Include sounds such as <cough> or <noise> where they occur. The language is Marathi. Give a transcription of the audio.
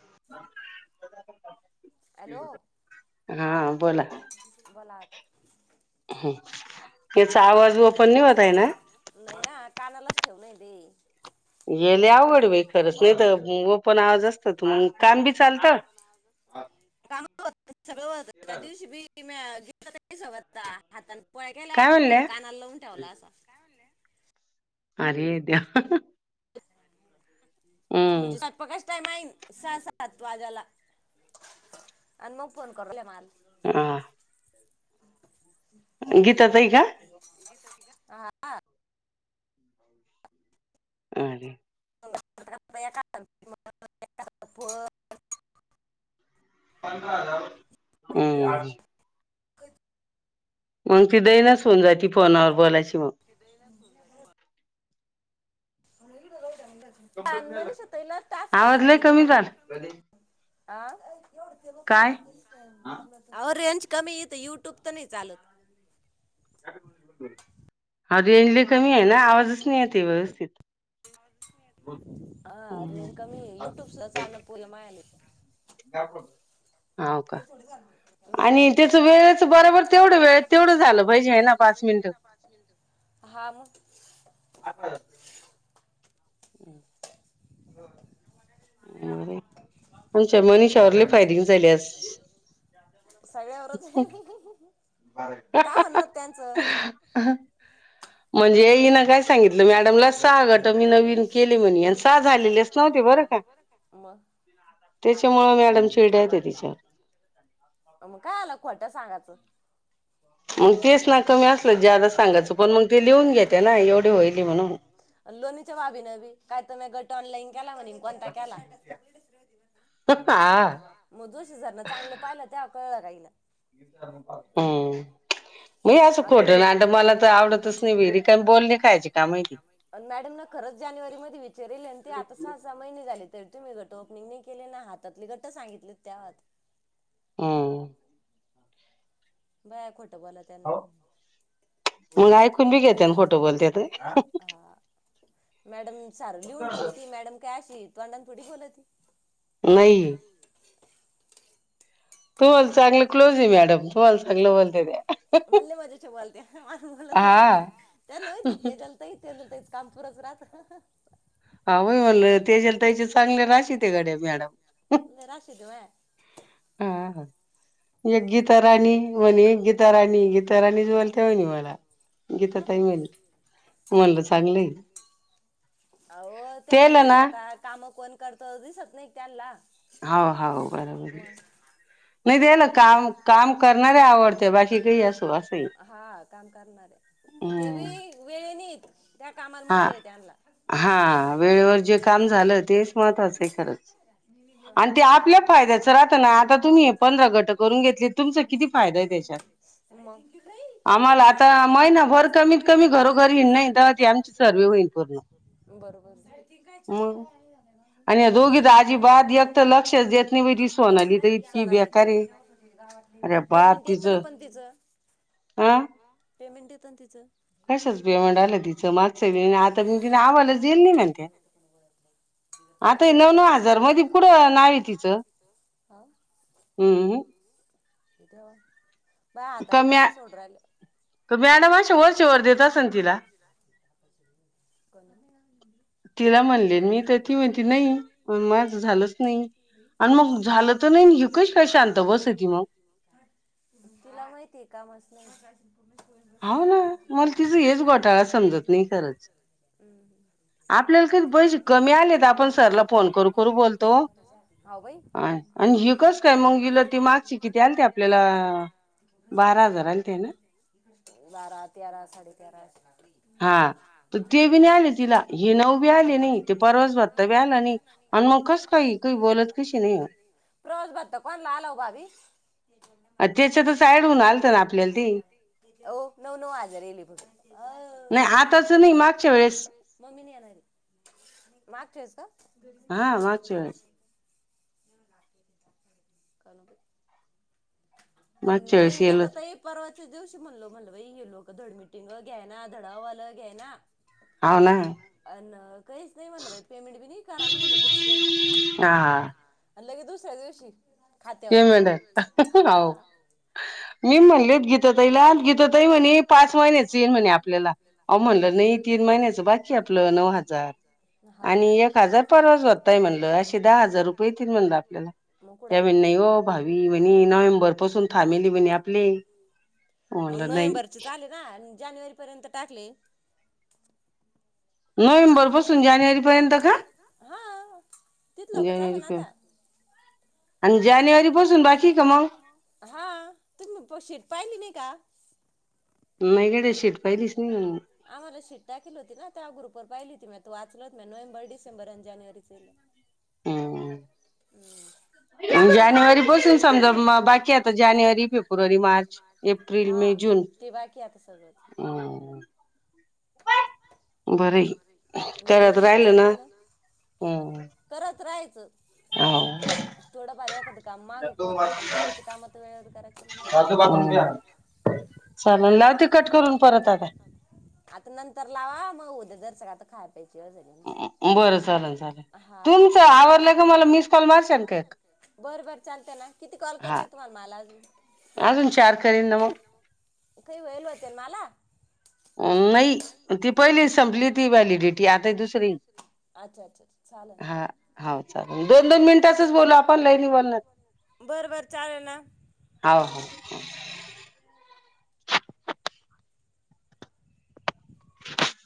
ह <inaudible> हॅलो बोला ह् याचा आवाज ओपन नई होत आहे ना खठेव नाही दे गले आवड ब खरंच नाही तर <inaudible> मग काम बी चालत व हात <unintelligible> प गेले फोन कनाला लवून ठेवला असं काय अरे य द्या <inaudible> म्हणजे सातपाकाच टायम आहे स स तू आझ्याला आणि मग फोन करू मला हा गीता तई का आ अ रे <inaudible> पंधरा हजार हम् मग ती देई नाच होऊन जात ती फोनवर बोलायची मग त <inaudible> <inaudible> आण मनीषा ताई ला टास्क असेल की दोन्ही मिळून आ अहो रेंज कमी इथं यूट्यूब त नाही चालत. हा रेंज लय कमीये ना आवाजच नाही येते व्यवस्थित. हा रेंज कमीये युट्यूब सुधा चालना माझ्या फोन <unintelligible> दाखव. हा मग. आठ हजार हम्म. <unintelligible> नाहीरे. आमच्या मनीषा वर लय फायरिंग झाली आज म्हणजे हीन काय सांगितलं मॅडमला सहा गट मी नवीन केले म्हणी आणि सहा झालेले च नव्हते बरं का? म म कायाला खोट सांगाय यचं. मग तेच ना कमी असलत ज्यादा सांगायचं पण मग ते लिहून घेत लोणी च्या भाभी न बी काय त म्या गट ट ऑनलाइन. केला म्हणे कोणता केला, मग जोशी सरंन पहिल तवा कळालं. राहिला. हम्म हे असं खोटं नाट मला तर आवडतच नाही बीरे. मॅडम ना खरंच जानेवारीमध्ये विचारेले ना ते आता सहा सहा महिने झाली तरी तुम्ही गट ओपनिंग नाही केले ना हातातले गट सांगितले तेव्हा त. हम्म. बाया खोट बोलात्यानं, हा मॅडम सार लिहून ठेवते मॅडम काय अशी तोंडाने थोडी बोलती नाही. मलालई मजेच्या बोलत्या, त्यानला माहीते तेजल ताई- तेजल ताईच कामपूरच राहत. हावय म्हणलं तेजल ताईच्या चांगले राशीत गड्या मॅडम. हा ह. आव त्यांना माहिती आता काम कोण करत दिसत नाही त्यांला. हाव हाव बरोबरे. हा काम करणारे ते बी वेळनीत. हा हा वेळेवर जे काम झालं तेच महत्वाचं आहे खरंच आणि ते आपल्या फायद्याचं राहत ना आता तुम्ही पंधरा ग लाग साऱ्या घराला बरोबर सोनाली ताई. पेमेंट येत ना पण तिचं. आ पेमेंट येत तिचं. कशच पेमंट आलं तिचं मागचं आता नावालाच येईल नाही म्हत आता नऊ नऊ हजार मध पुढं नावे तिचं हम्. <unintelligible> बा आता न काम सोड राहिली. तिला म्हणले मी तर ती म्हणती नाही माझ झालंच नाही आणि मग झालं तर नाही कशी काय शांत. तुला माहितीय का म. <inaudible> हो ना मला तिचा हेच घोटाळा समजत नाही खरच आपल्याला काही पैसे कमी आलेत आपण सरला फोन करू करू बोलतो आणि हिकस काय मग. मगला ती मागची किती आणते आपल्याला बारा हजार आल्ते. बारा तेरा साडे तेरा प्रोस ब. कोण ला आल भाभी. हो नऊ नऊ आजार येले ब अ मम्मी नाही येणार. मागचे का. हा वाचे. <unintelligible> <inaudible> मेहंगी तर त परवा. दिवशी म्हणलो म्हणलं बाई हे लोक धडमटिंग घ्या ना धडावाला घ्या ना. अ काहीच नाही म्हलं बाई पेमेंट बी नाही करा ना म्हलं भुचक. लगी दुसऱ्या दिवशी. हे म्हण हो मी म्हणलेत गिता ताईला गिता तई म्हणे पाच महिन्याच येईल म्हणे आपल्याला अ म्हणलं नाही तीन महिन्याचं बाकी आपलं नऊ हजार आणि एक हजार परवाच भताय म्हणलं असे दहा हजार रुपये येतील म्हणलं आपल्याला. नाही हो भावी म्हणे नोव्हेंबर पासून थांमेली म्हणे आपले म्हलं नाही. जानेवारी पर्यंत टाकले. नोव्हेंबर पासून जानेवारी पर्यंत का जाने आणि जानेवारी पासून बाकी का मग. आम्हाला शिट टा केली होती ना त्या गुरु. वर पाहिली त मी तु वाचलच नाही नोंहेबर-डिसेबर आणि जानेवारीच हाय. हो. जानेवारी बसून समजा मग बाकी आता. जानेवारी, फेब्रुवारी, मार्च, एप्रिल, मे, जून. हम्. बरये करत राहिल ना. थोडंफार एखाद काम माग होत नाही. पण बाकीच्या कामात वेळ कराय आता नंतर लावा मग <unintelligible> हा करा. बर, बर, चालते ना. किती कॉल करणे तुम्हाला मला अजून. काही वैल होते मला. अ नाही त पहिली संपली होती व्हँलिडीटी आता ही दुसरी ये, अच्छा अच्छा! चाललं दोन दोन मिनिटाचचं बोलू आपण लय पण बोलणार नायं बरं बरं चाललं ना, हा. <unintelligible>